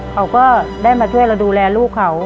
เขาก็ได้มาช่วยเราดูแลลูกเขา